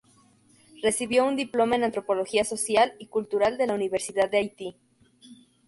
Recibió un diploma en antropología social y cultural de la Universidad de Haití.